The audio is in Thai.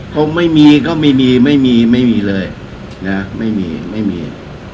คงไม่มีก็ไม่มีไม่มีเลยนะไม่มีไม่มี